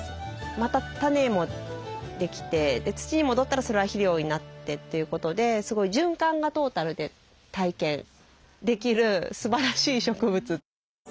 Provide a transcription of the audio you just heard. また種もできて土に戻ったらそれは肥料になってということで循環がトータルでできるすばらしい植物。